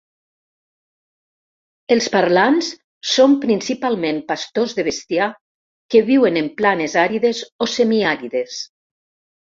Els parlants són principalment pastors de bestiar que viuen en planes àrides o semiàrides.